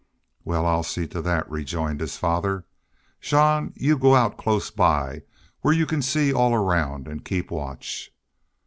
"Wal, I'll see to that," rejoined his father. "Jean, you go out close by, where you can see all around, an' keep watch."